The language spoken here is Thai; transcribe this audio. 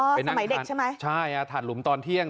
อ๋อสมัยเด็กใช่ไหมไปนั่งคันใช่ถัดหลุมตอนเที่ยง